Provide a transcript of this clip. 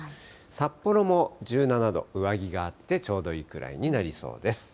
札幌も１７度、上着があってちょうどいいくらいになりそうです。